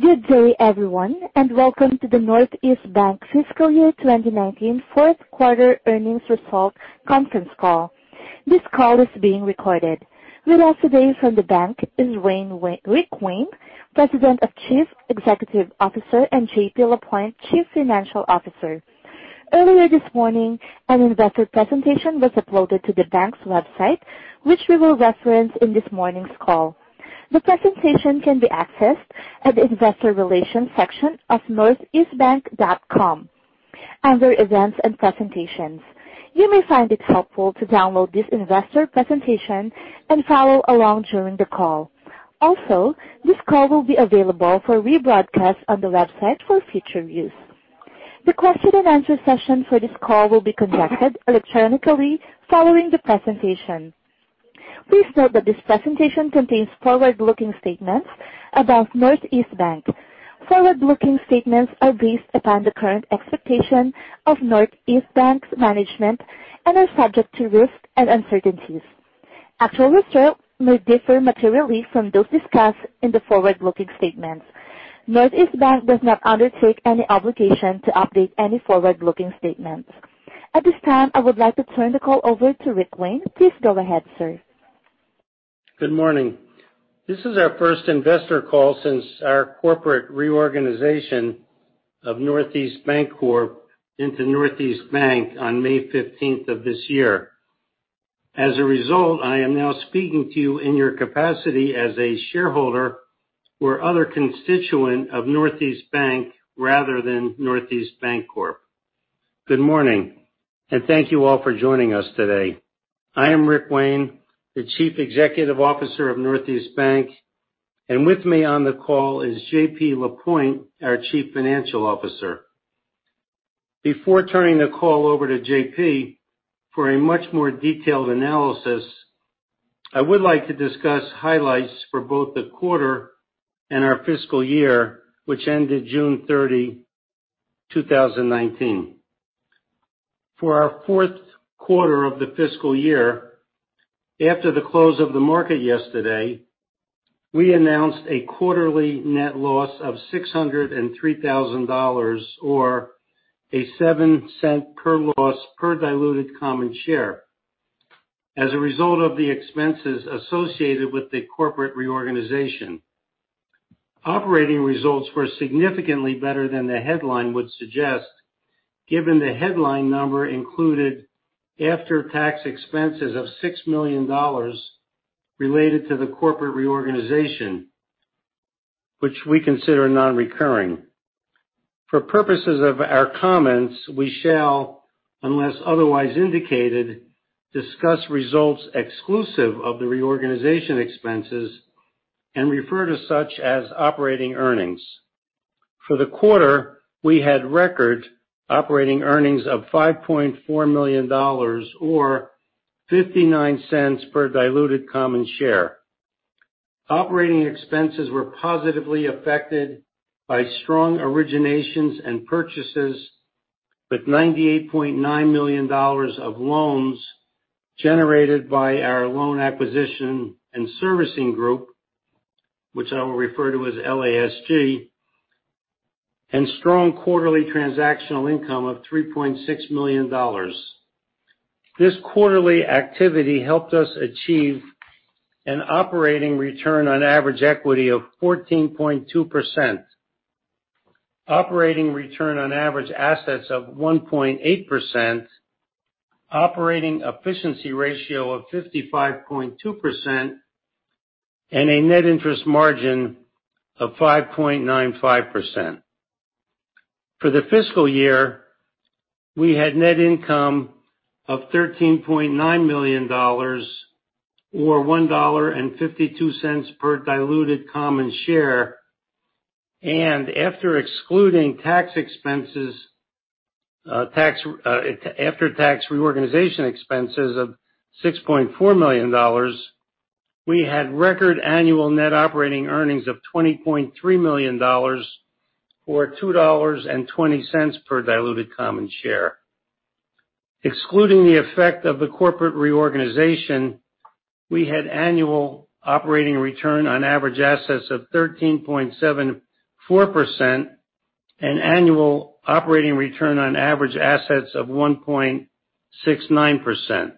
Good day, everyone, and welcome to the Northeast Bank Fiscal Year 2019 fourth quarter earnings results conference call. This call is being recorded. With us today from the bank is Rick Wayne, President and Chief Executive Officer, and JP Lapointe, Chief Financial Officer. Earlier this morning, an investor presentation was uploaded to the bank's website, which we will reference in this morning's call. The presentation can be accessed at the investor relations section of northeastbank.com under events and presentations. You may find it helpful to download this investor presentation and follow along during the call. Also, this call will be available for rebroadcast on the website for future views. The question and answer session for this call will be conducted electronically following the presentation. Please note that this presentation contains forward-looking statements about Northeast Bank. Forward-looking statements are based upon the current expectation of Northeast Bank's management and are subject to risks and uncertainties. Actual results may differ materially from those discussed in the forward-looking statements. Northeast Bank does not undertake any obligation to update any forward-looking statements. At this time, I would like to turn the call over to Rick Wayne. Please go ahead, sir. Good morning. This is our first investor call since our corporate reorganization of Northeast Bancorp into Northeast Bank on May 15th of this year. As a result, I am now speaking to you in your capacity as a shareholder or other constituent of Northeast Bank rather than Northeast Bancorp. Good morning, and thank you all for joining us today. I am Rick Wayne, the Chief Executive Officer of Northeast Bank, and with me on the call is JP Lapointe, our Chief Financial Officer. Before turning the call over to JP for a much more detailed analysis, I would like to discuss highlights for both the quarter and our fiscal year, which ended June 30, 2019. For our fourth quarter of the fiscal year, after the close of the market yesterday, we announced a quarterly net loss of $603,000, or a $0.07 per loss per diluted common share as a result of the expenses associated with the corporate reorganization. Operating results were significantly better than the headline would suggest, given the headline number included after-tax expenses of $6 million related to the corporate reorganization, which we consider non-recurring. For purposes of our comments, we shall, unless otherwise indicated, discuss results exclusive of the reorganization expenses and refer to such as operating earnings. For the quarter, we had record operating earnings of $5.4 million, or $0.59 per diluted common share. Operating expenses were positively affected by strong originations and purchases with $98.9 million of loans generated by our loan acquisition and servicing group, which I will refer to as LASG, and strong quarterly transactional income of $3.6 million. This quarterly activity helped us achieve an operating return on average equity of 14.2%, operating return on average assets of 1.8%, operating efficiency ratio of 55.2%, and a net interest margin of 5.95%. For the fiscal year, we had net income of $13.9 million, or $1.52 per diluted common share. After excluding after-tax reorganization expenses of $6.4 million, we had record annual net operating earnings of $20.3 million or $2.20 per diluted common share. Excluding the effect of the corporate reorganization, we had annual operating return on average assets of 13.74% and annual operating return on average assets of 1.69%.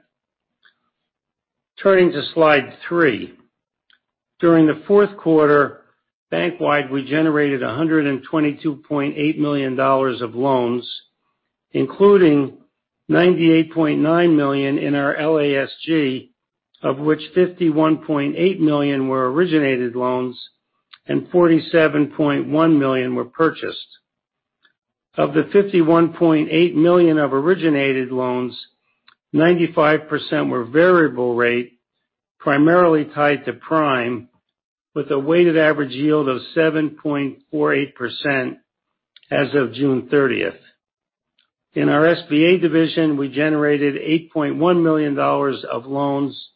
Turning to slide three. During the fourth quarter bank-wide, we generated $122.8 million of loans, including $98.9 million in our LASG, of which $51.8 million were originated loans and $47.1 million were purchased. Of the $51.8 million of originated loans, 95% were variable rate, primarily tied to Prime, with a weighted average yield of 7.48% as of June 30th. In our SBA division, we generated $8.1 million of loans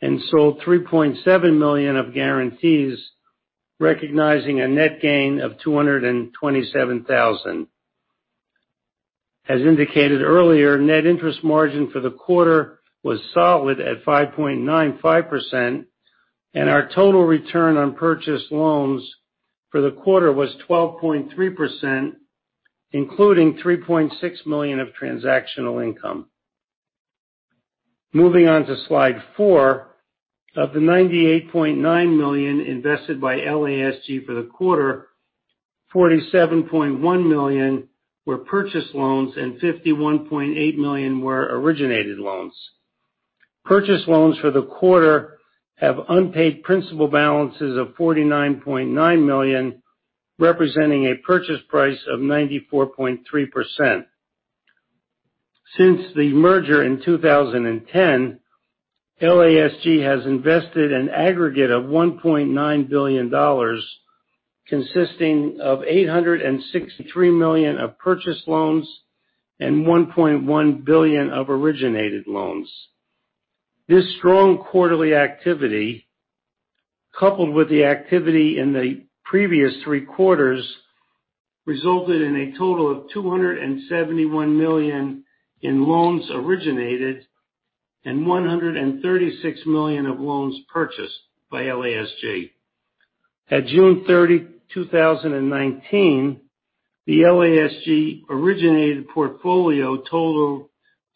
and sold $3.7 million of guarantees, recognizing a net gain of $227,000. As indicated earlier, net interest margin for the quarter was solid at 5.95%, and our total return on purchased loans for the quarter was 12.3%, including $3.6 million of transactional income. Moving on to slide four. Of the $98.9 million invested by LASG for the quarter, $47.1 million were purchased loans and $51.8 million were originated loans. Purchased loans for the quarter have unpaid principal balances of $49.9 million, representing a purchase price of 94.3%. Since the merger in 2010, LASG has invested an aggregate of $1.9 billion, consisting of $863 million of purchased loans and $1.1 billion of originated loans. This strong quarterly activity, coupled with the activity in the previous three quarters, resulted in a total of $271 million in loans originated and $136 million of loans purchased by LASG. At June 30, 2019, the LASG-originated portfolio totaled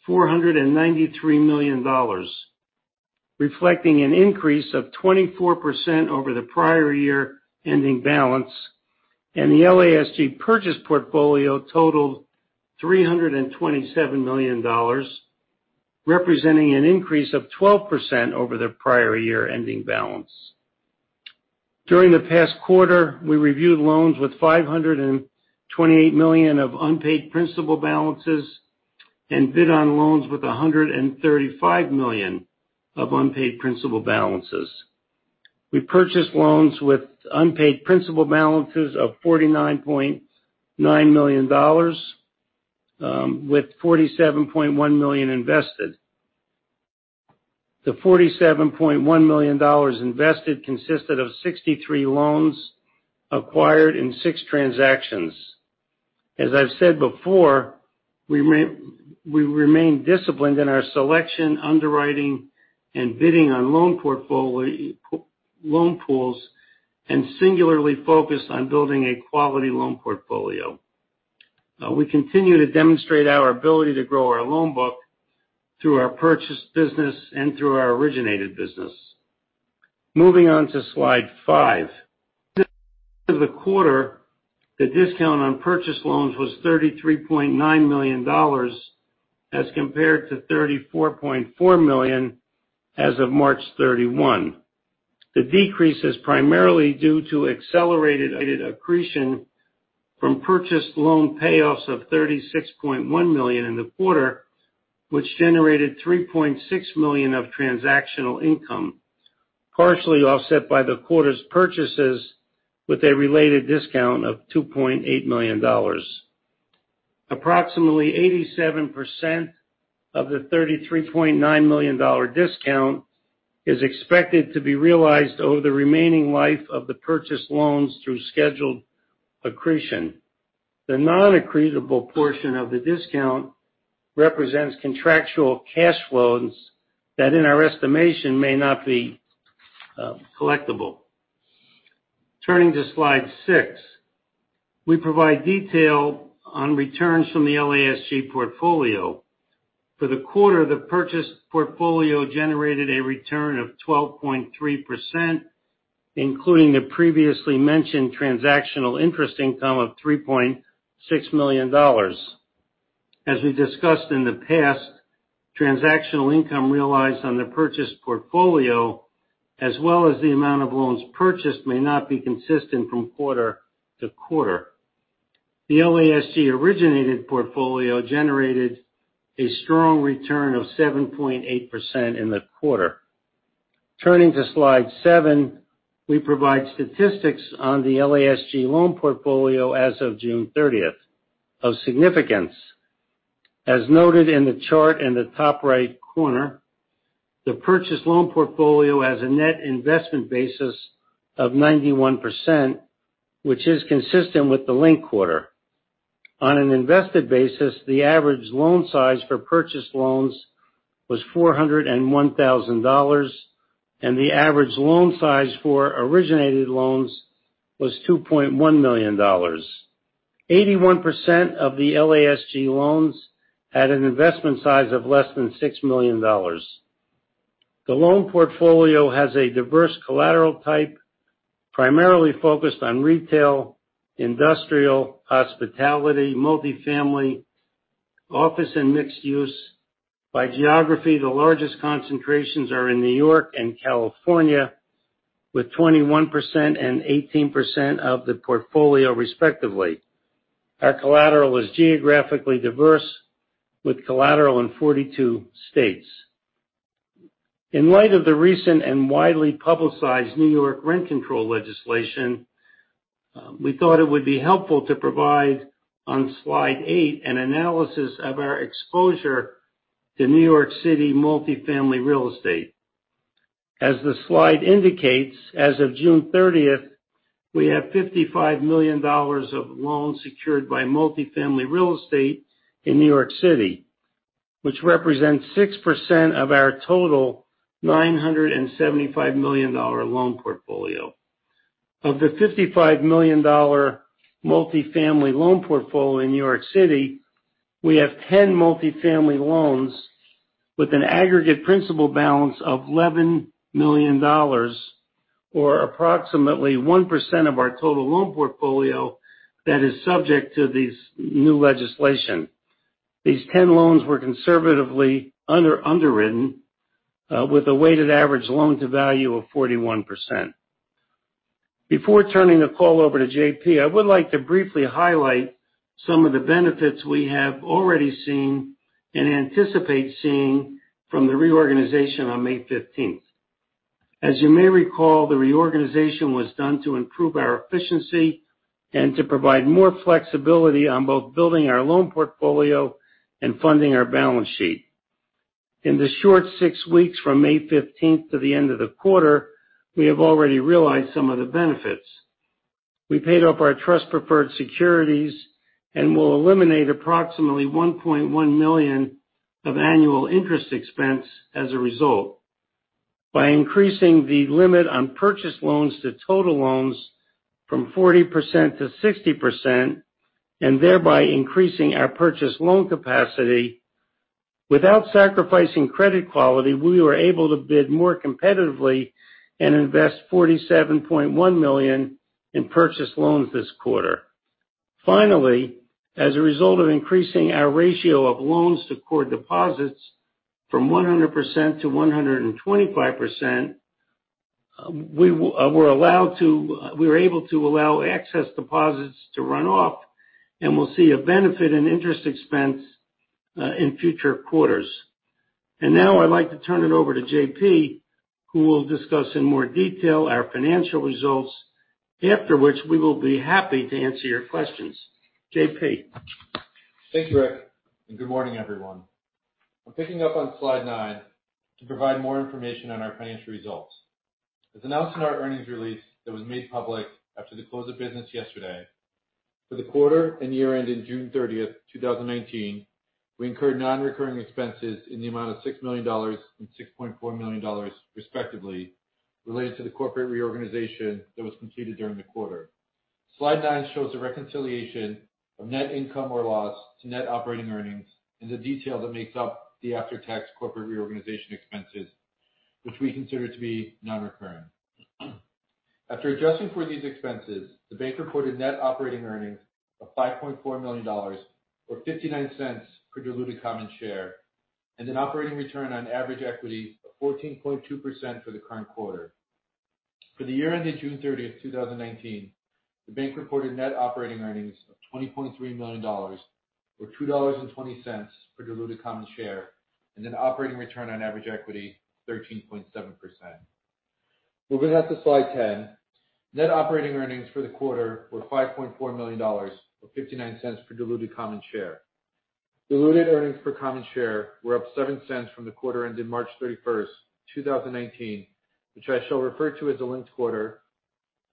$493 million, reflecting an increase of 24% over the prior year-ending balance, and the LASG purchased portfolio totaled $327 million, representing an increase of 12% over the prior year-ending balance. During the past quarter, we reviewed loans with $528 million of unpaid principal balances and bid on loans with $135 million of unpaid principal balances. We purchased loans with unpaid principal balances of $49.9 million, with $47.1 million invested. The $47.1 million invested consisted of 63 loans acquired in six transactions. As I've said before, we remain disciplined in our selection, underwriting, and bidding on loan pools, and singularly focused on building a quality loan portfolio. We continue to demonstrate our ability to grow our loan book through our purchase business and through our originated business. Moving on to slide five. As of the quarter, the discount on purchased loans was $33.9 million as compared to $34.4 million as of March 31. The decrease is primarily due to accelerated accretion from purchased loan payoffs of $36.1 million in the quarter, which generated $3.6 million of transactional income, partially offset by the quarter's purchases with a related discount of $2.8 million. Approximately 87% of the $33.9 million discount is expected to be realized over the remaining life of the purchased loans through scheduled accretion. The non-accretable portion of the discount represents contractual cash flows that, in our estimation, may not be collectible. Turning to slide six. We provide detail on returns from the LASG portfolio. For the quarter, the purchased portfolio generated a return of 12.3%, including the previously mentioned transactional interest income of $3.6 million. As we discussed in the past, transactional income realized on the purchased portfolio, as well as the amount of loans purchased, may not be consistent from quarter to quarter. The LASG-originated portfolio generated a strong return of 7.8% in the quarter. Turning to slide seven, we provide statistics on the LASG loan portfolio as of June 30th. Of significance, as noted in the chart in the top right corner, the purchased loan portfolio has a net investment basis of 91%, which is consistent with the linked quarter. On an invested basis, the average loan size for purchased loans was $401,000, and the average loan size for originated loans was $2.1 million. 81% of the LASG loans had an investment size of less than $6 million. The loan portfolio has a diverse collateral type, primarily focused on retail, industrial, hospitality, multifamily, office, and mixed use. By geography, the largest concentrations are in New York and California, with 21% and 18% of the portfolio respectively. Our collateral is geographically diverse, with collateral in 42 states. In light of the recent and widely publicized New York rent control legislation, we thought it would be helpful to provide on slide eight an analysis of our exposure to New York City multifamily real estate. As the slide indicates, as of June 30th, we have $55 million of loans secured by multifamily real estate in New York City, which represents 6% of our total $975 million loan portfolio. Of the $55 million multifamily loan portfolio in New York City, we have 10 multifamily loans with an aggregate principal balance of $11 million, or approximately 1% of our total loan portfolio that is subject to this new legislation. These 10 loans were conservatively underwritten with a weighted average loan-to-value of 41%. Before turning the call over to JP, I would like to briefly highlight some of the benefits we have already seen and anticipate seeing from the reorganization on May 15th. As you may recall, the reorganization was done to improve our efficiency and to provide more flexibility on both building our loan portfolio and funding our balance sheet. In the short six weeks from May 15th to the end of the quarter, we have already realized some of the benefits. We paid off our trust preferred securities and will eliminate approximately $1.1 million of annual interest expense as a result. By increasing the limit on purchase loans to total loans from 40% to 60%, and thereby increasing our purchase loan capacity, without sacrificing credit quality, we were able to bid more competitively and invest $47.1 million in purchase loans this quarter. Finally, as a result of increasing our ratio of loans to core deposits from 100% to 125%, we were able to allow excess deposits to run off, and we'll see a benefit in interest expense in future quarters. Now I'd like to turn it over to JP, who will discuss in more detail our financial results, after which we will be happy to answer your questions. JP? Thank you, Rick, and good morning, everyone. I'm picking up on slide nine to provide more information on our financial results. As announced in our earnings release that was made public after the close of business yesterday, for the quarter and year ended June 30, 2019, we incurred non-recurring expenses in the amount of $6 million and $6.4 million respectively, related to the Corporate Reorganization that was completed during the quarter. Slide nine shows a reconciliation of net income or loss to net operating earnings, the detail that makes up the after-tax Corporate Reorganization expenses, which we consider to be non-recurring. After adjusting for these expenses, the bank reported net operating earnings of $5.4 million, or $0.59 per diluted common share, and an operating return on average equity of 14.2% for the current quarter. For the year ended June 30th, 2019, the bank reported net operating earnings of $20.3 million, or $2.20 per diluted common share, and an operating return on average equity of 13.7%. Moving on to slide 10. Net operating earnings for the quarter were $5.4 million, or $0.59 per diluted common share. Diluted earnings per common share were up $0.07 from the quarter ended March 31st, 2019, which I shall refer to as the linked quarter,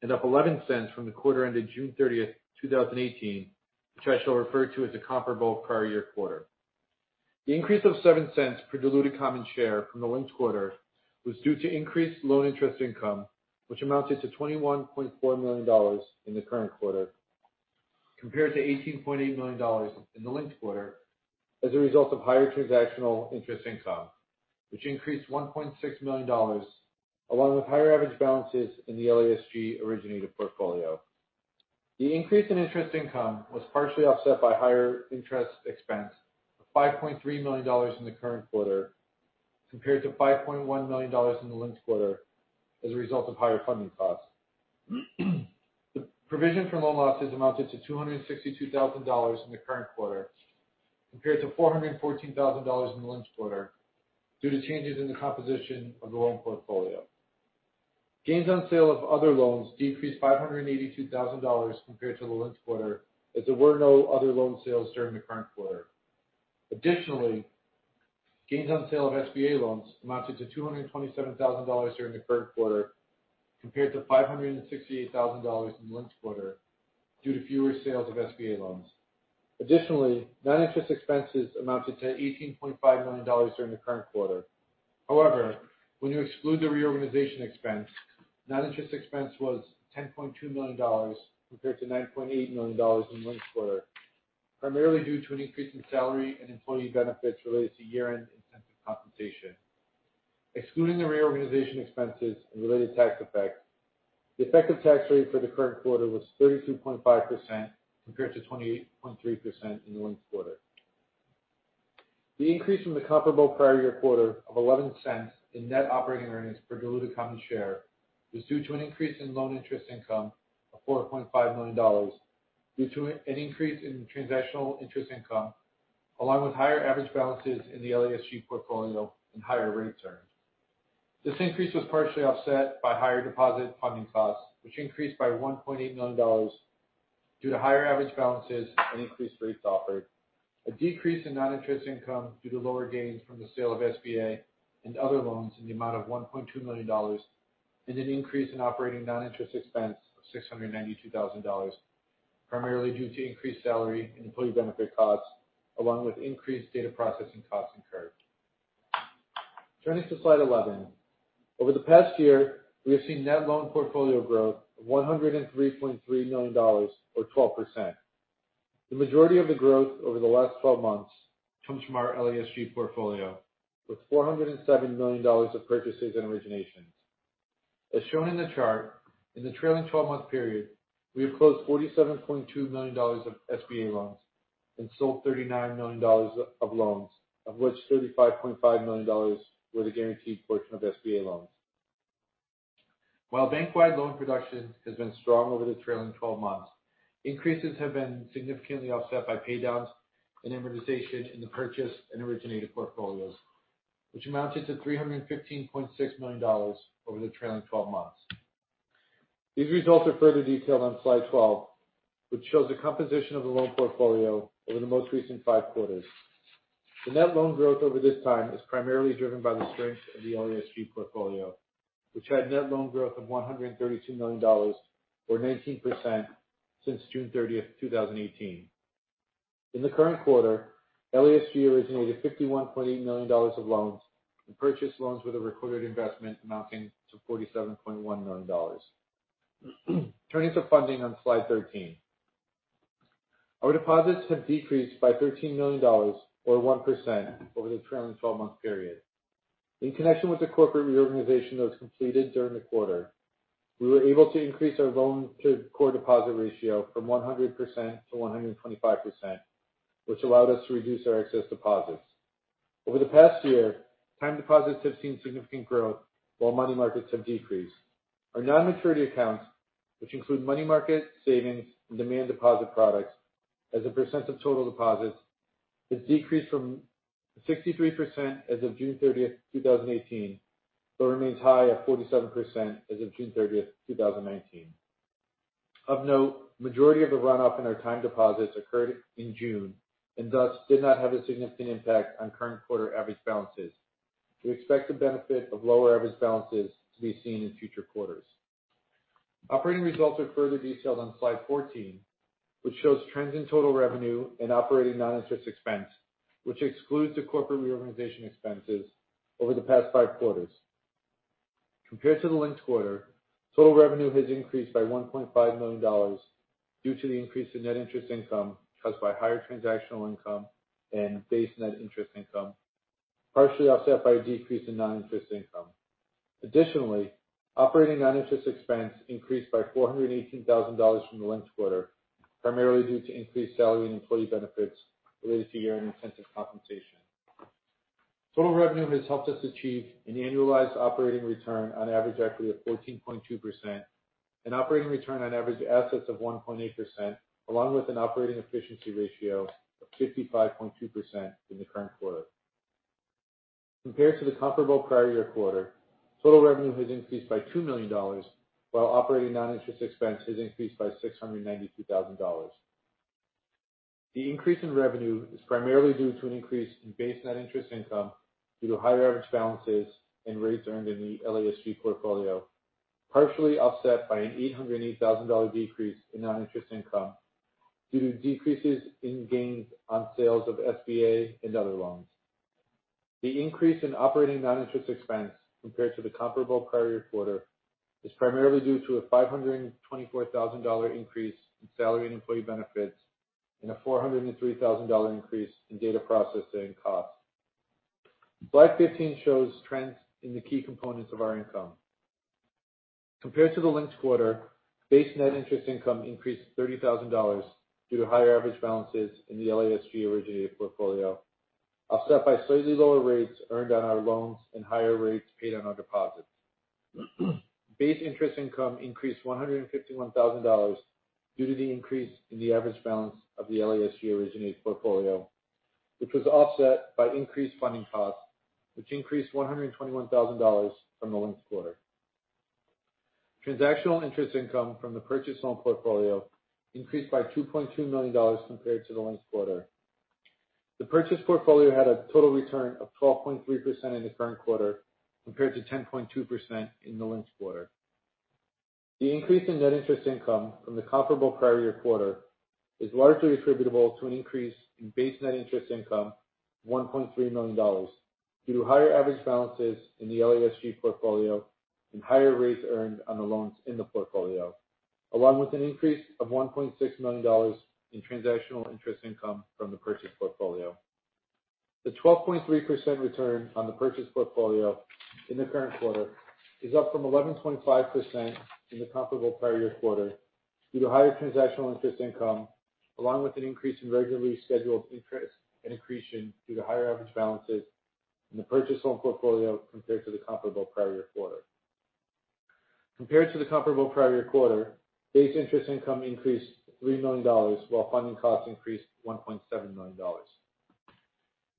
and up $0.11 from the quarter ended June 30th, 2018, which I shall refer to as the comparable prior year quarter. The increase of $0.07 per diluted common share from the linked quarter was due to increased loan interest income, which amounted to $21.4 million in the current quarter, compared to $18.8 million in the linked quarter, as a result of higher transactional interest income, which increased $1.6 million, along with higher average balances in the LASG originated portfolio. The increase in interest income was partially offset by higher interest expense of $5.3 million in the current quarter, compared to $5.1 million in the linked quarter, as a result of higher funding costs. The provision for loan losses amounted to $262,000 in the current quarter, compared to $414,000 in the linked quarter, due to changes in the composition of the loan portfolio. Gains on sale of other loans decreased $582,000 compared to the linked quarter, as there were no other loan sales during the current quarter. Additionally, gains on sale of SBA loans amounted to $227,000 during the current quarter, compared to $568,000 in the linked quarter, due to fewer sales of SBA loans. Additionally, non-interest expenses amounted to $18.5 million during the current quarter. However, when you exclude the reorganization expense, non-interest expense was $10.2 million, compared to $9.8 million in the linked quarter, primarily due to an increase in salary and employee benefits related to year-end incentive compensation. Excluding the reorganization expenses and related tax effects, the effective tax rate for the current quarter was 32.5%, compared to 28.3% in the linked quarter. The increase from the comparable prior year quarter of $0.11 in net operating earnings per diluted common share was due to an increase in loan interest income of $4.5 million due to an increase in transactional interest income, along with higher average balances in the LASG portfolio and higher rates earned. This increase was partially offset by higher deposit funding costs, which increased by $1.8 million due to higher average balances and increased rates offered, a decrease in non-interest income due to lower gains from the sale of SBA and other loans in the amount of $1.2 million, and an increase in operating non-interest expense of $692,000, primarily due to increased salary and employee benefit costs, along with increased data processing costs incurred. Turning to slide 11. Over the past year, we have seen net loan portfolio growth of $103.3 million, or 12%. The majority of the growth over the last 12 months comes from our LASG portfolio, with $407 million of purchases and originations. As shown in the chart, in the trailing 12-month period, we have closed $47.2 million of SBA loans and sold $39 million of loans, of which $35.5 million were the guaranteed portion of SBA loans. While bank-wide loan production has been strong over the trailing 12 months, increases have been significantly offset by paydowns and amortization in the purchase and originated portfolios, which amounted to $315.6 million over the trailing 12 months. These results are further detailed on slide 12, which shows the composition of the loan portfolio over the most recent five quarters. The net loan growth over this time is primarily driven by the strength of the LASG portfolio, which had net loan growth of $132 million, or 19%, since June 30th, 2018. In the current quarter, LASG originated $51.8 million of loans and purchased loans with a recorded investment amounting to $47.1 million. Turning to funding on slide 13. Our deposits have decreased by $13 million, or 1%, over the trailing 12-month period. In connection with the corporate reorganization that was completed during the quarter, we were able to increase our loan-to-core deposit ratio from 100% to 125%, which allowed us to reduce our excess deposits. Over the past year, time deposits have seen significant growth while money markets have decreased. Our non-maturity accounts, which include money market, savings, and demand deposit products, as a percent of total deposits, has decreased from 63% as of June 30th, 2018, but remains high at 47% as of June 30th, 2019. Of note, majority of the runoff in our time deposits occurred in June, and thus did not have a significant impact on current quarter average balances. We expect the benefit of lower average balances to be seen in future quarters. Operating results are further detailed on slide 14, which shows trends in total revenue and operating non-interest expense, which excludes the corporate reorganization expenses over the past five quarters. Compared to the linked quarter, total revenue has increased by $1.5 million due to the increase in net interest income caused by higher transactional income and base net interest income, partially offset by a decrease in non-interest income. Additionally, operating non-interest expense increased by $418,000 from the linked quarter, primarily due to increased salary and employee benefits related to year-end incentive compensation. Total revenue has helped us achieve an annualized operating return on average equity of 14.2% and operating return on average assets of 1.8%, along with an operating efficiency ratio of 55.2% in the current quarter. Compared to the comparable prior-year quarter, total revenue has increased by $2 million, while operating non-interest expense has increased by $692,000. The increase in revenue is primarily due to an increase in base net interest income due to higher average balances and rates earned in the LASG portfolio, partially offset by an $880,000 decrease in non-interest income due to decreases in gains on sales of SBA and other loans. The increase in operating non-interest expense compared to the comparable prior-year quarter is primarily due to a $524,000 increase in salary and employee benefits and a $403,000 increase in data processing costs. Slide 15 shows trends in the key components of our income. Compared to the linked quarter, base net interest income increased $30,000 due to higher average balances in the LASG-originated portfolio, offset by slightly lower rates earned on our loans and higher rates paid on our deposits. Base interest income increased $151,000 due to the increase in the average balance of the LASG-originated portfolio, which was offset by increased funding costs, which increased $121,000 from the linked quarter. Transactional interest income from the purchased loan portfolio increased by $2.2 million compared to the linked quarter. The purchased portfolio had a total return of 12.3% in the current quarter, compared to 10.2% in the linked quarter. The increase in net interest income from the comparable prior year quarter is largely attributable to an increase in base net interest income, $1.3 million, due to higher average balances in the LASG portfolio and higher rates earned on the loans in the portfolio, along with an increase of $1.6 million in transactional interest income from the purchased portfolio. The 12.3% return on the purchased portfolio in the current quarter is up from 11.5% in the comparable prior year quarter due to higher transactional interest income, along with an increase in regularly scheduled interest and accretion due to higher average balances in the purchased loan portfolio compared to the comparable prior year quarter. Compared to the comparable prior year quarter, base interest income increased $3 million while funding costs increased $1.7 million.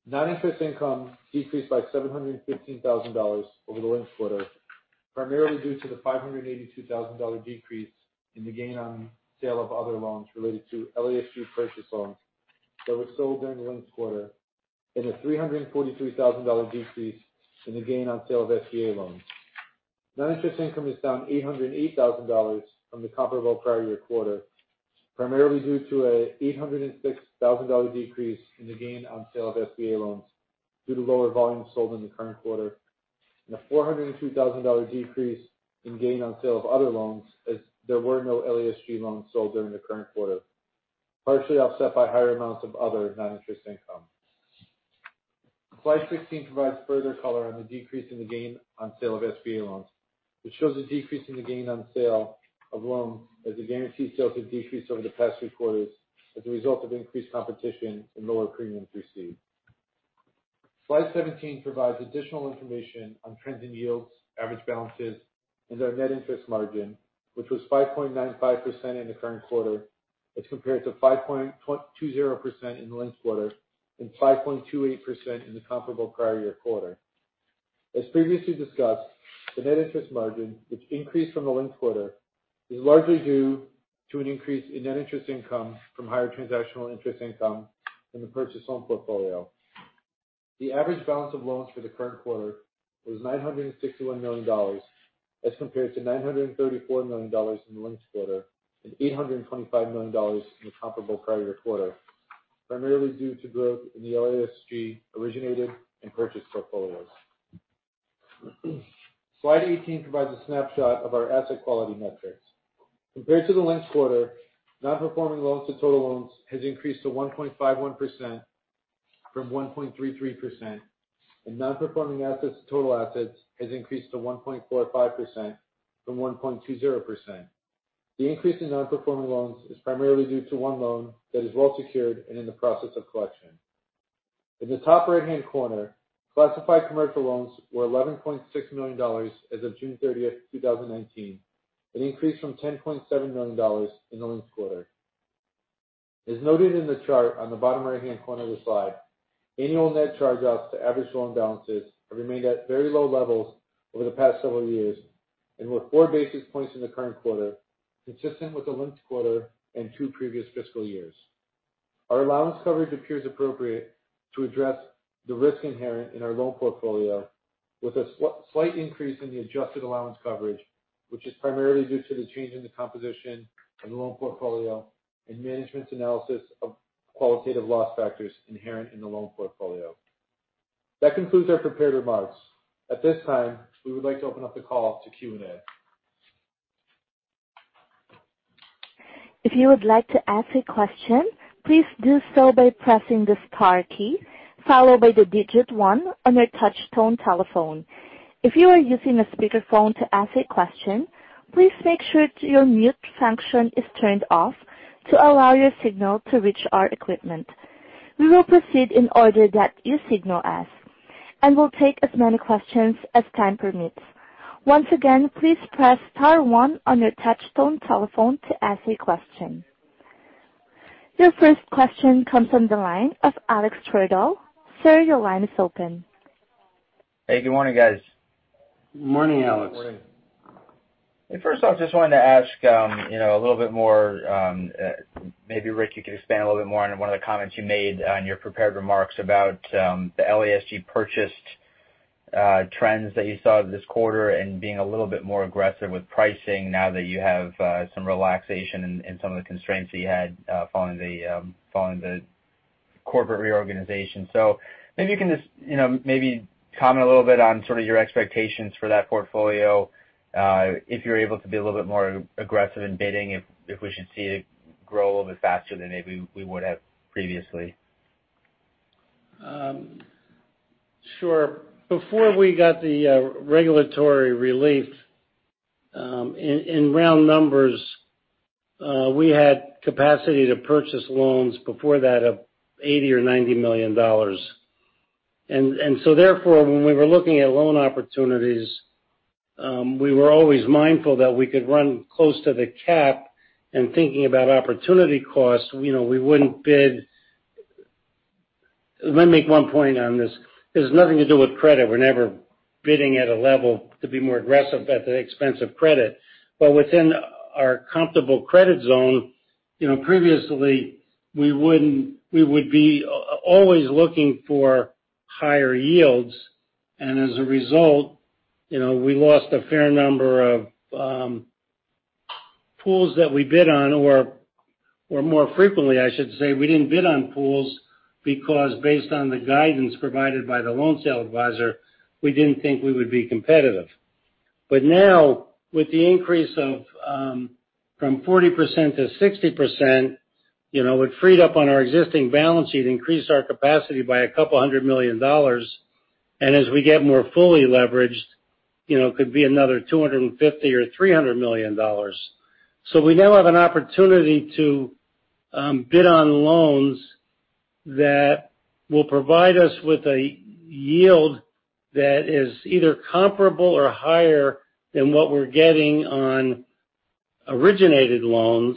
Non-interest income decreased by $715,000 over the linked quarter, primarily due to the $582,000 decrease in the gain on sale of other loans related to LASG purchase loans that were sold during the linked quarter, and a $343,000 decrease in the gain on sale of SBA loans. Non-interest income is down $808,000 from the comparable prior year quarter, primarily due to an $806,000 decrease in the gain on sale of SBA loans due to lower volume sold in the current quarter, and a $402,000 decrease in gain on sale of other loans as there were no LASG loans sold during the current quarter, partially offset by higher amounts of other non-interest income. Slide 16 provides further color on the decrease in the gain on sale of SBA loans, which shows a decrease in the gain on sale of loans as the guarantee sales have decreased over the past three quarters as a result of increased competition and lower premiums received. Slide 17 provides additional information on trends in yields, average balances, and our net interest margin, which was 5.95% in the current quarter as compared to 5.20% in the linked quarter, and 5.28% in the comparable prior year quarter. As previously discussed, the net interest margin, which increased from the linked quarter, is largely due to an increase in net interest income from higher transactional interest income in the purchase loan portfolio. The average balance of loans for the current quarter was $961 million, as compared to $934 million in the linked quarter, and $825 million in the comparable prior year quarter, primarily due to growth in the LASG-originated and purchased portfolios. Slide 18 provides a snapshot of our asset quality metrics. Compared to the linked quarter, non-performing loans to total loans has increased to 1.51% from 1.33%, and non-performing assets to total assets has increased to 1.45% from 1.20%. The increase in non-performing loans is primarily due to one loan that is well secured and in the process of collection. In the top right-hand corner, classified commercial loans were $11.6 million as of June 30, 2019, an increase from $10.7 million in the linked quarter. As noted in the chart on the bottom right-hand corner of the slide, annual net charge-offs to average loan balances have remained at very low levels over the past several years, and were four basis points in the current quarter, consistent with the linked quarter and two previous fiscal years. Our allowance coverage appears appropriate to address the risk inherent in our loan portfolio, with a slight increase in the adjusted allowance coverage, which is primarily due to the change in the composition of the loan portfolio and management's analysis of qualitative loss factors inherent in the loan portfolio. That concludes our prepared remarks. At this time, we would like to open up the call to Q&A. If you would like to ask a question, please do so by pressing the star key, followed by the digit one on your touchtone telephone. If you are using a speakerphone to ask a question, please make sure your mute function is turned off to allow your signal to reach our equipment. We will proceed in the order that you signal us, and will take as many questions as time permits. Once again, please press star one on your touchtone telephone to ask a question. Your first question comes from the line of Alex Twerdahl. Sir, your line is open. Hey, good morning, guys. Morning, Alex. Morning. Hey, first off, just wanted to ask a little bit more, maybe Rick, you could expand a little bit more on one of the comments you made on your prepared remarks about the LASG purchased trends that you saw this quarter and being a little bit more aggressive with pricing now that you have some relaxation in some of the constraints that you had following the corporate reorganization. Maybe you can just maybe comment a little bit on sort of your expectations for that portfolio, if you're able to be a little bit more aggressive in bidding if we should see it grow a little bit faster than maybe we would have previously? Sure. Before we got the regulatory relief, in round numbers, we had capacity to purchase loans before that of $80 million or $90 million. Therefore, when we were looking at loan opportunities, we were always mindful that we could run close to the cap and thinking about opportunity costs. Let me make one point on this. This has nothing to do with credit. We're never bidding at a level to be more aggressive at the expense of credit. Within our comfortable credit zone, previously, we would be always looking for higher yields. As a result, we lost a fair number of pools that we bid on, or more frequently, I should say, we didn't bid on pools because based on the guidance provided by the loan sale advisor, we didn't think we would be competitive. Now, with the increase from 40% to 60%, it freed up on our existing balance sheet, increased our capacity by a couple hundred million dollars. As we get more fully leveraged, it could be another $250 or $300 million. We now have an opportunity to bid on loans that will provide us with a yield that is either comparable or higher than what we're getting on originated loans.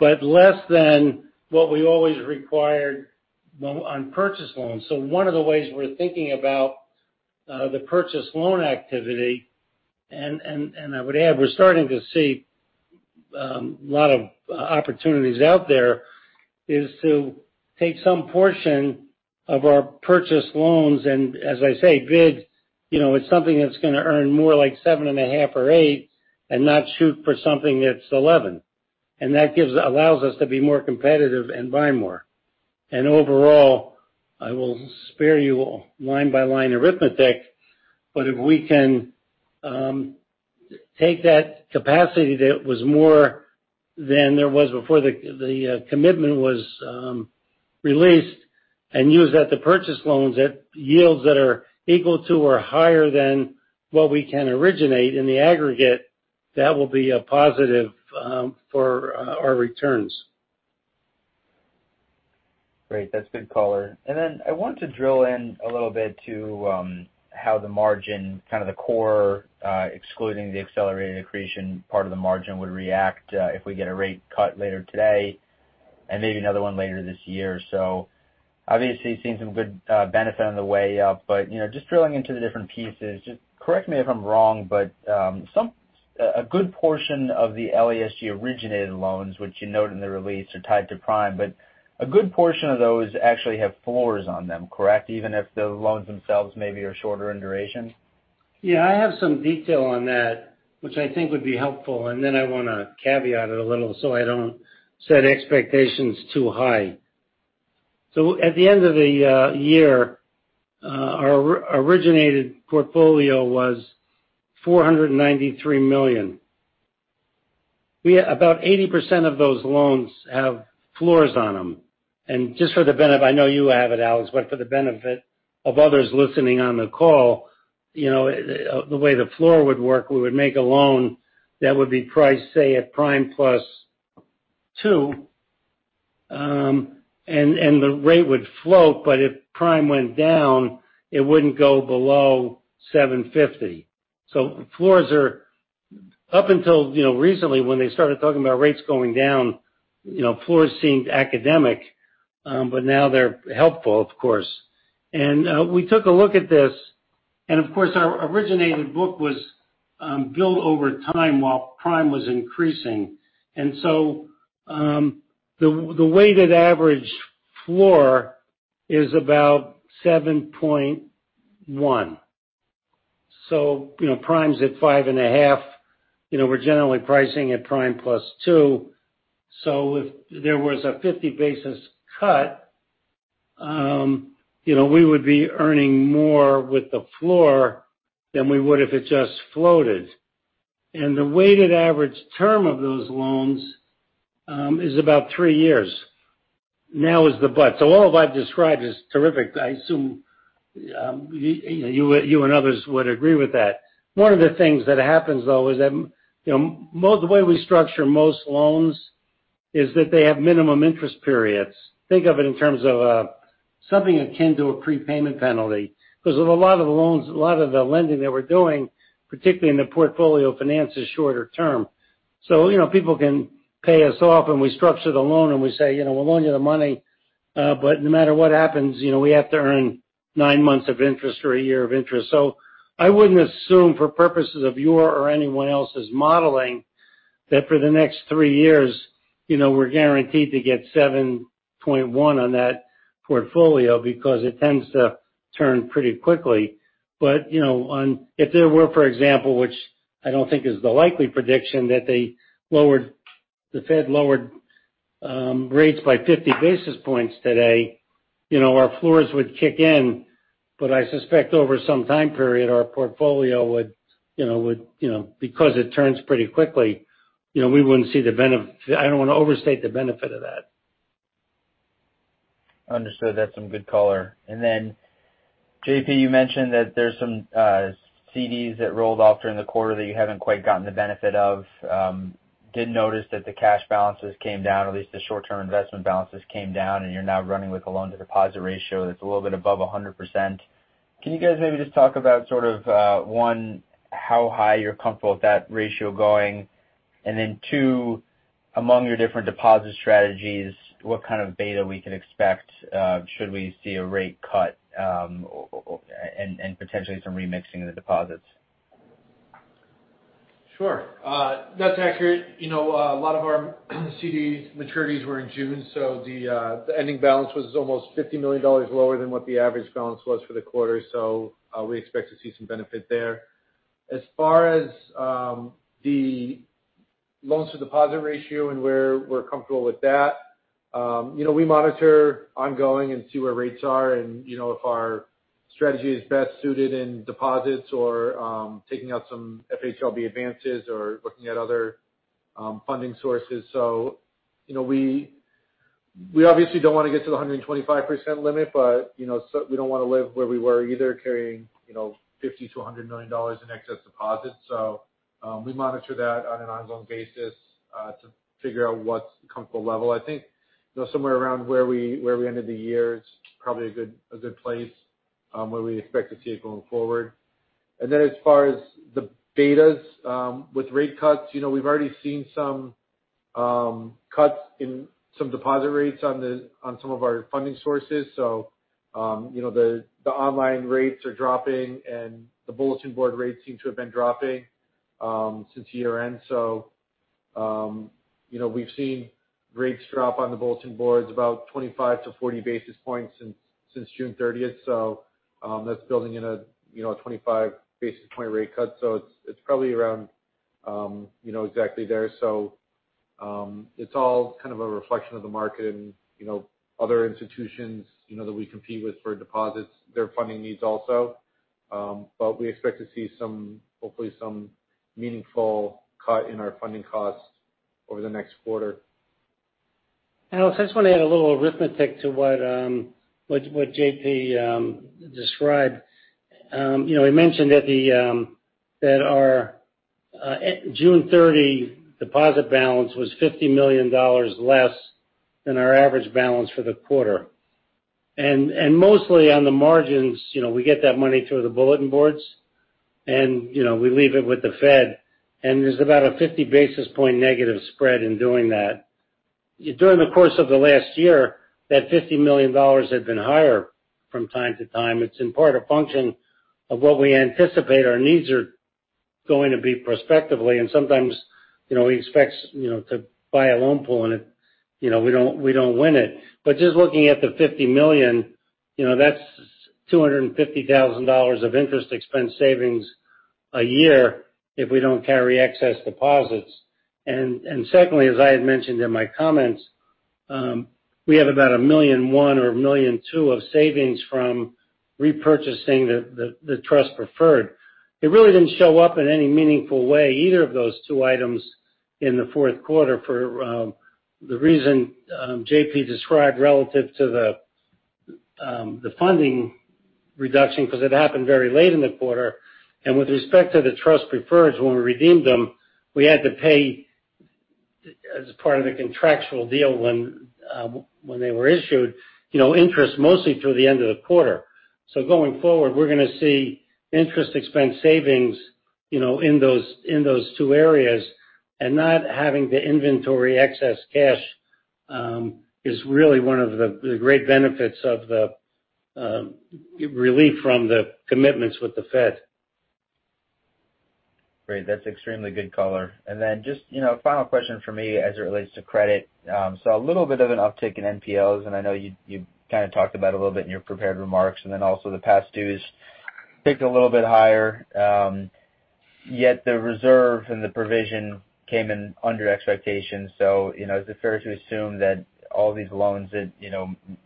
Less than what we always required on purchase loans. One of the ways we're thinking about the purchase loan activity, and I would add, we're starting to see a lot of opportunities out there, is to take some portion of our purchase loans, and as I say, bid. It's something that's going to earn more like 7.5 or eight, and not shoot for something that's 11. Overall, I will spare you line-by-line arithmetic, but if we can take that capacity that was more than there was before the commitment was released and use that to purchase loans at yields that are equal to or higher than what we can originate in the aggregate, that will be a positive for our returns. Great. That's good color. I want to drill in a little bit to how the margin, kind of the core, excluding the accelerated accretion part of the margin would react, if we get a rate cut later today and maybe another one later this year. Obviously seeing some good benefit on the way up, but just drilling into the different pieces. Just correct me if I'm wrong, but a good portion of the LASG-originated loans, which you note in the release, are tied to Prime. A good portion of those actually have floors on them. Correct? Even if the loans themselves maybe are shorter in duration. I have some detail on that, which I think would be helpful, then I want to caveat it a little so I don't set expectations too high. At the end of the year, our originated portfolio was $493 million. About 80% of those loans have floors on them. I know you have it, Alex, for the benefit of others listening on the call, the way the floor would work, we would make a loan that would be priced, say, at Prime plus 2.0, and the rate would float. If Prime went down, it wouldn't go below 750. Up until recently when they started talking about rates going down, floors seemed academic. Now they're helpful, of course. We took a look at this, of course, our originated book was built over time while Prime was increasing. The weighted average floor is about 7.1. Prime's at 5.5. We're generally pricing at Prime plus 2.0. If there was a 50 basis cut, we would be earning more with the floor than we would if it just floated. The weighted average term of those loans is about three years. Now is the but. All I've described is terrific. I assume you and others would agree with that. One of the things that happens, though, is that the way we structure most loans is that they have minimum interest periods. Think of it in terms of something akin to a prepayment penalty. Because a lot of the lending that we're doing, particularly in the portfolio, finances shorter term. People can pay us off and we structure the loan and we say, "We'll loan you the money. No matter what happens, we have to earn nine months of interest or a year of interest. I wouldn't assume for purposes of your or anyone else's modeling, that for the next three years we're guaranteed to get 7.1 on that portfolio because it tends to turn pretty quickly. If there were, for example, which I don't think is the likely prediction, that the Fed lowered rates by 50 basis points today, our floors would kick in. I suspect over some time period, our portfolio would, because it turns pretty quickly, I don't want to overstate the benefit of that. Understood. That's some good color. JP, you mentioned that there's some CDs that rolled off during the quarter that you haven't quite gotten the benefit of. I did notice that the cash balances came down, at least the short-term investment balances came down, and you're now running with a loan-to-deposit ratio that's a little bit above 100%. Can you guys maybe just talk about sort of, one, how high you're comfortable with that ratio going? Two, among your different deposit strategies, what kind of beta we could expect should we see a rate cut, and potentially some remixing of the deposits? Sure. That's accurate. A lot of our CDs maturities were in June, so the ending balance was almost $50 million lower than what the average balance was for the quarter. We expect to see some benefit there. As far as the loans-to-deposit ratio and where we're comfortable with that. We monitor ongoing and see where rates are and if our strategy is best suited in deposits or taking out some FHLB advances or looking at other funding sources. We obviously don't want to get to the 125% limit, but we don't want to live where we were either carrying $50 million-$100 million in excess deposits. We monitor that on an ongoing basis to figure out what's a comfortable level. I think somewhere around where we ended the year is probably a good place where we expect to see it going forward. As far as the betas with rate cuts, we've already seen some cuts in some deposit rates on some of our funding sources. The online rates are dropping, and the bulletin board rates seem to have been dropping since year-end. We've seen rates drop on the bulletin boards about 25 to 40 basis points since June 30th. That's building in a 25 basis point rate cut. It's probably around exactly there. It's all kind of a reflection of the market and other institutions that we compete with for deposits, their funding needs also. We expect to see hopefully some meaningful cut in our funding costs over the next quarter. I also just want to add a little arithmetic to what JP described. We mentioned that our June 30 deposit balance was $50 million less than our average balance for the quarter. Mostly on the margins, we get that money through the bulletin boards, and we leave it with the Fed, and there's about a 50 basis point negative spread in doing that. During the course of the last year, that $50 million had been higher from time to time. It's in part a function of what we anticipate our needs are going to be prospectively, and sometimes we expect to buy a loan pool and we don't win it. Just looking at the $50 million, that's $250,000 of interest expense savings a year if we don't carry excess deposits. Secondly, as I had mentioned in my comments, we have about $1.1 million or $1.2 million of savings from repurchasing the trust preferred. It really didn't show up in any meaningful way, either of those two items in the fourth quarter for the reason JP described relative to the funding reduction because it happened very late in the quarter. With respect to the trust preferreds, when we redeemed them, we had to pay as part of the contractual deal when they were issued interest mostly through the end of the quarter. Going forward, we're going to see interest expense savings in those two areas. Not having to inventory excess cash is really one of the great benefits of the relief from the commitments with the Fed. Great. That's extremely good color. Just a final question from me as it relates to credit. A little bit of an uptick in NPLs, and I know you kind of talked about a little bit in your prepared remarks, and then also the past dues ticked a little bit higher. Yet the reserve and the provision came in under expectations. Is it fair to assume that all these loans that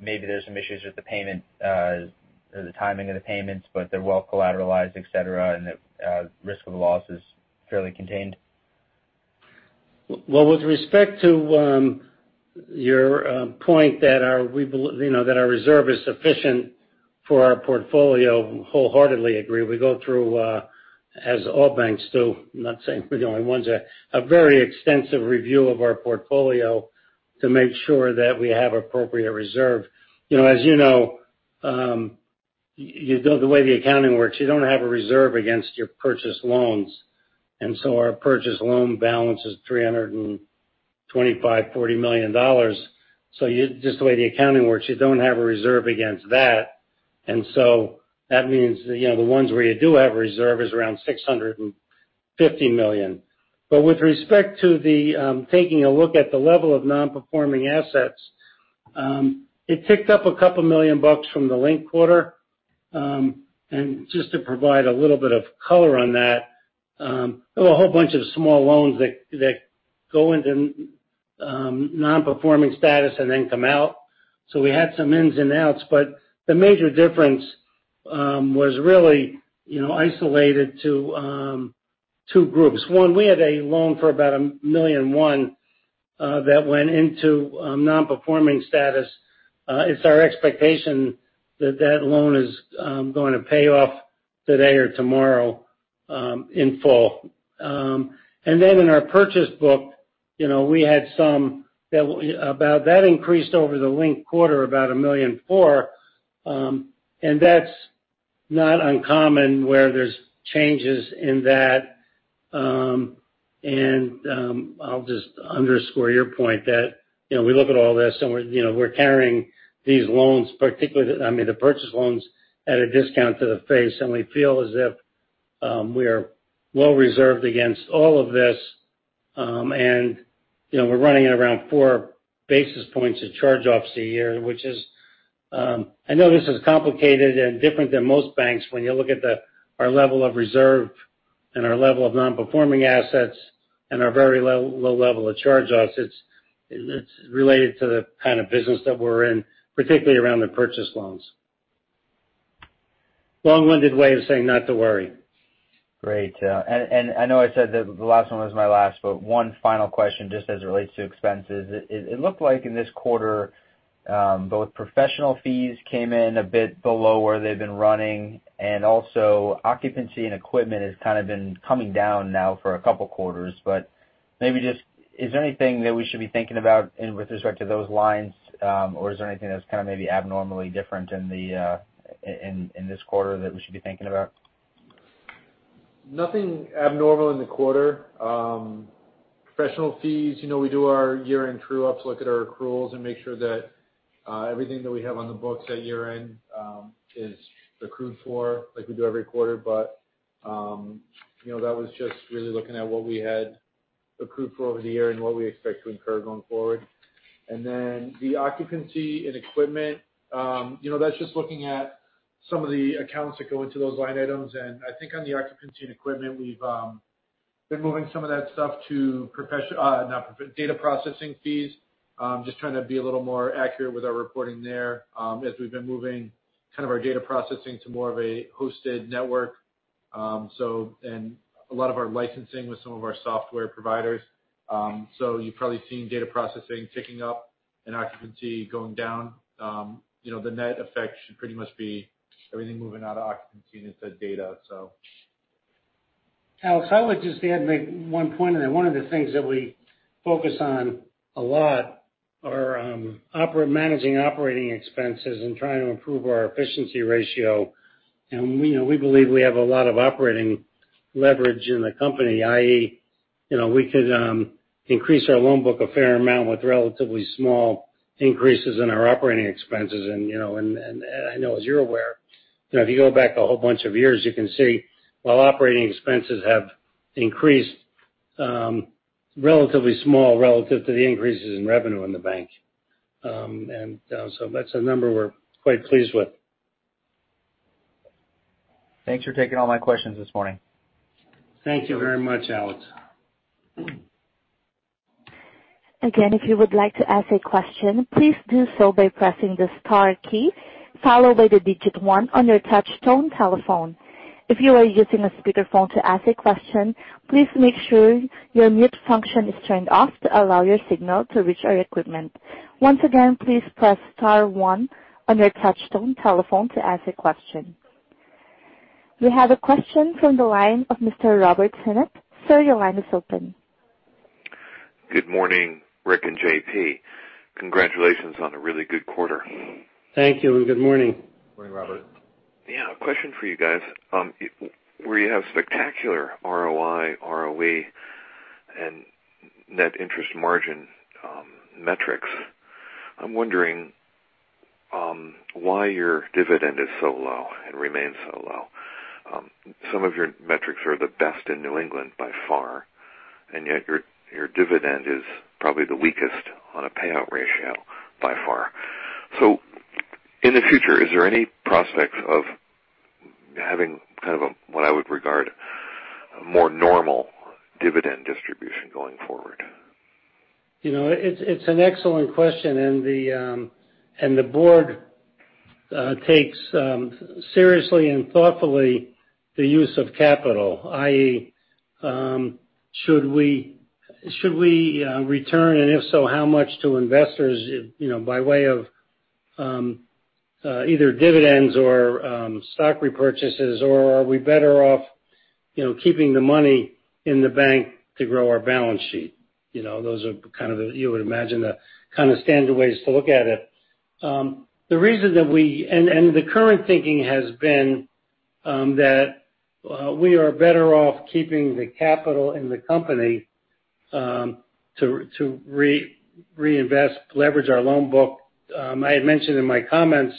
maybe there's some issues with the payment or the timing of the payments, but they're well collateralized, et cetera, and the risk of a loss is fairly contained? Well, with respect to your point that our reserve is sufficient for our portfolio, wholeheartedly agree. We go through, as all banks do, I'm not saying we're the only ones, a very extensive review of our portfolio to make sure that we have appropriate reserve. As you know, the way the accounting works, you don't have a reserve against your purchased loans. Our purchased loan balance is $325 million, $40 million. Just the way the accounting works, you don't have a reserve against that. That means the ones where you do have a reserve is around $650 million. With respect to the taking a look at the level of non-performing assets, it ticked up a couple million bucks from the linked quarter. Just to provide a little bit of color on that, there were a whole bunch of small loans that go into non-performing status and then come out. We had some ins and outs, but the major difference was really isolated to two groups. One, we had a loan for about $1.1 million that went into non-performing status. It's our expectation that that loan is going to pay off today or tomorrow in full. Then in our purchase book, that increased over the linked quarter about $1.4 million. That's not uncommon where there's changes in that. I'll just underscore your point that we look at all this and we're carrying these loans, particularly the purchase loans at a discount to the face. We feel as if we are well reserved against all of this. We're running at around four basis points of charge-offs a year. I know this is complicated and different than most banks when you look at our level of reserve and our level of non-performing assets and our very low level of charge-offs. It's related to the kind of business that we're in, particularly around the purchase loans. Long-winded way of saying not to worry. Great. I know I said that the last one was my last, but one final question, just as it relates to expenses. It looked like in this quarter both professional fees came in a bit below where they've been running, and also occupancy and equipment has kind of been coming down now for a couple quarters. Maybe just, is there anything that we should be thinking about with respect to those lines? Is there anything that's kind of maybe abnormally different in this quarter that we should be thinking about? Nothing abnormal in the quarter. Professional fees, we do our year-end true-ups, look at our accruals, and make sure that everything that we have on the books at year-end is accrued for, like we do every quarter. That was just really looking at what we had accrued for over the year and what we expect to incur going forward. The occupancy and equipment, that's just looking at some of the accounts that go into those line items. I think on the occupancy and equipment, we've been moving some of that stuff to data processing fees. Just trying to be a little more accurate with our reporting there, as we've been moving kind of our data processing to more of a hosted network and a lot of our licensing with some of our software providers. You've probably seen data processing ticking up and occupancy going down. The net effect should pretty much be everything moving out of occupancy and into data. Alex Twerdahl, I would just add, make one point on that. One of the things that we focus on a lot are managing operating expenses and trying to improve our efficiency ratio. We believe we have a lot of operating leverage in the company, i.e., we could increase our loan book a fair amount with relatively small increases in our operating expenses. I know as you're aware, if you go back a whole bunch of years, you can see while operating expenses have increased, relatively small relative to the increases in revenue in the bank. That's a number we're quite pleased with. Thanks for taking all my questions this morning. Thank you very much, Alex. Again, if you would like to ask a question, please do so by pressing the star key, followed by the digit 1 on your touch tone telephone. If you are using a speakerphone to ask a question, please make sure your mute function is turned off to allow your signal to reach our equipment. Once again, please press star 1 on your touch tone telephone to ask a question. You have a question from the line of Mr. Robert Sinnott. Sir, your line is open. Good morning, Rick and JP. Congratulations on a really good quarter. Thank you, and good morning. Morning, Robert. Yeah. A question for you guys. Where you have spectacular ROI, ROE, and net interest margin metrics, I'm wondering why your dividend is so low and remains so low. Some of your metrics are the best in New England by far, and yet your dividend is probably the weakest on a payout ratio by far. In the future, is there any prospect of having kind of what I would regard a more normal dividend distribution going forward? It's an excellent question. The board takes seriously and thoughtfully the use of capital, i.e., should we return, and if so, how much to investors by way of either dividends or stock repurchases or are we better off keeping the money in the bank to grow our balance sheet? Those are kind of, you would imagine, the kind of standard ways to look at it. The current thinking has been that we are better off keeping the capital in the company to reinvest, leverage our loan book. I had mentioned in my comments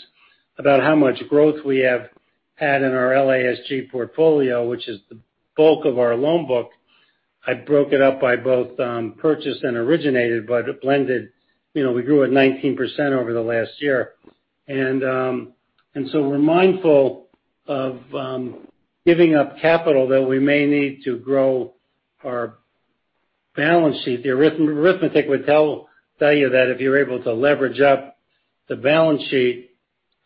about how much growth we have had in our LASG portfolio, which is the bulk of our loan book. I broke it up by both purchased and originated, but blended, we grew at 19% over the last year. We're mindful of giving up capital that we may need to grow our balance sheet. The arithmetic would tell you that if you're able to leverage up the balance sheet,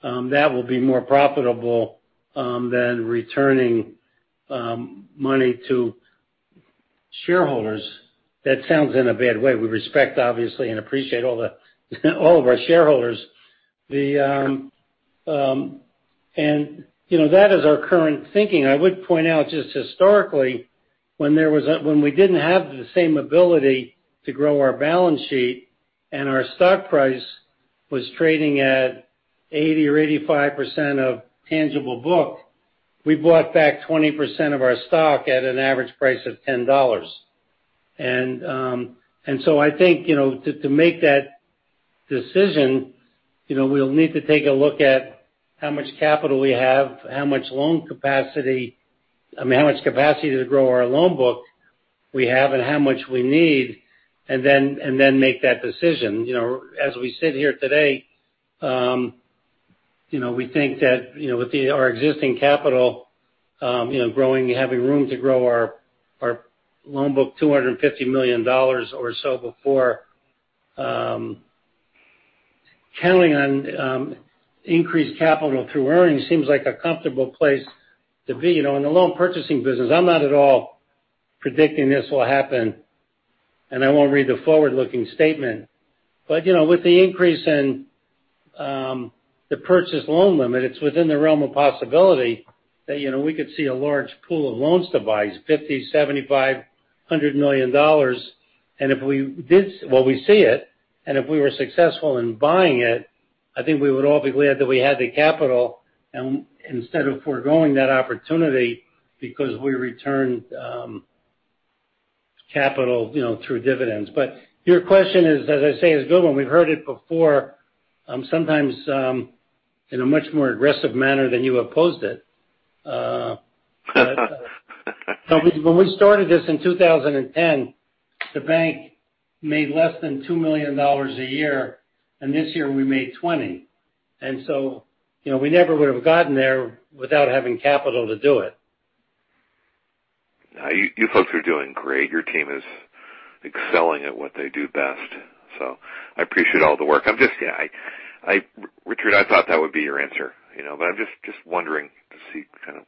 that will be more profitable than returning money to shareholders. That sounds in a bad way. We respect, obviously, and appreciate all of our shareholders. That is our current thinking. I would point out just historically, when we didn't have the same ability to grow our balance sheet and our stock price was trading at 80% or 85% of tangible book, we bought back 20% of our stock at an average price of $10. I think to make that decision, we'll need to take a look at how much capital we have, how much loan capacity-- I mean, how much capacity to grow our loan book we have and how much we need, and then make that decision. As we sit here today, we think that with our existing capital growing, having room to grow our loan book $250 million or so before counting on increased capital through earnings seems like a comfortable place to be. In the loan purchasing business, I'm not at all predicting this will happen, and I won't read the forward-looking statement. With the increase in the purchase loan limit, it's within the realm of possibility that we could see a large pool of loans to buy, $50, $75, $100 million. We see it, and if we were successful in buying it, I think we would all be glad that we had the capital instead of foregoing that opportunity because we returned capital through dividends. Your question is, as I say, is a good one. We've heard it before, sometimes in a much more aggressive manner than you opposed it. When we started this in 2010, the bank made less than $2 million a year, and this year we made $20 million. We never would have gotten there without having capital to do it. You folks are doing great. Your team is excelling at what they do best. I appreciate all the work. Richard, I thought that would be your answer. I'm just wondering to see kind of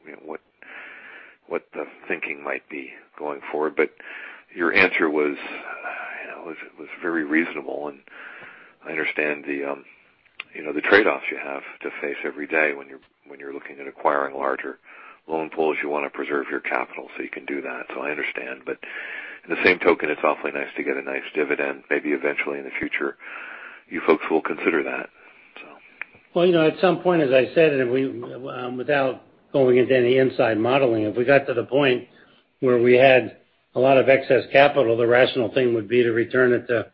what the thinking might be going forward. Your answer was very reasonable, and I understand the trade-offs you have to face every day when you're looking at acquiring larger loan pools. You want to preserve your capital so you can do that, so I understand. In the same token, it's awfully nice to get a nice dividend. Maybe eventually in the future, you folks will consider that. Well, at some point, as I said, without going into any inside modeling, if we got to the point where we had a lot of excess capital, the rational thing would be to return it to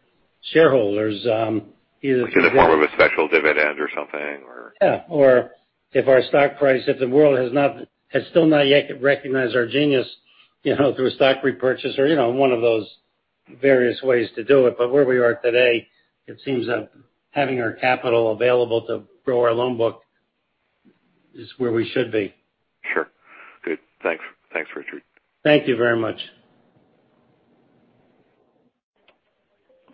shareholders either through. Like in the form of a special dividend or something or. If our stock price, if the world has still not yet recognized our genius through a stock repurchase or one of those various ways to do it. Where we are today, it seems that having our capital available to grow our loan book is where we should be. Sure. Good. Thanks, Richard. Thank you very much.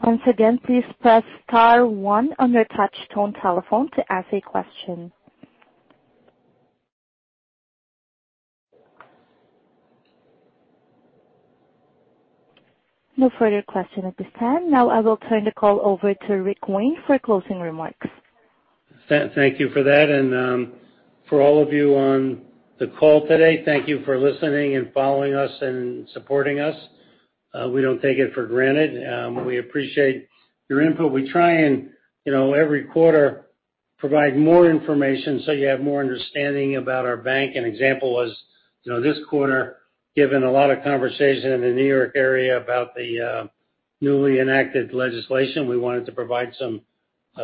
Once again, please press star one on your touch tone telephone to ask a question. No further question at this time. I will turn the call over to Rick Wayne for closing remarks. Thank you for that. For all of you on the call today, thank you for listening and following us and supporting us. We don't take it for granted. We appreciate your input. We try and every quarter provide more information so you have more understanding about our bank. An example was this quarter, given a lot of conversation in the New York area about the newly enacted legislation, we wanted to provide some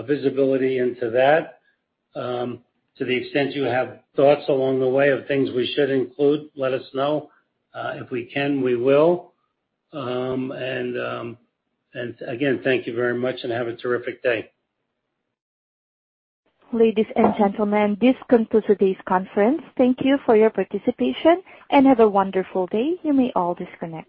visibility into that. To the extent you have thoughts along the way of things we should include, let us know. If we can, we will. Again, thank you very much and have a terrific day. Ladies and gentlemen, this concludes today's conference. Thank you for your participation and have a wonderful day. You may all disconnect.